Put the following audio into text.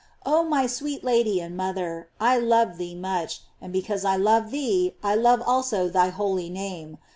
Oh, my sweet Lady and mother, I love thee much, and because I love thee, I love also thy holy name.